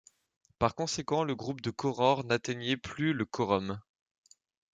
Par conséquent, le groupe de Koror n’atteignait plus le quorum.